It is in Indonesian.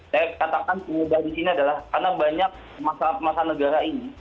saya katakan pengubah di sini adalah karena banyak masalah negara ini